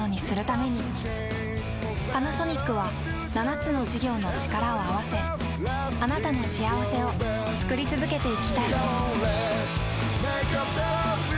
パナソニックは７つの事業のチカラを合わせあなたの幸せを作り続けていきたい。